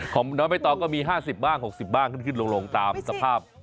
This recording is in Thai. ของน้องใบตองก็มี๕๐บ้าง๖๐บ้างขึ้นลงตามสภาพ